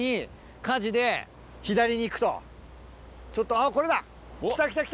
あっこれだ。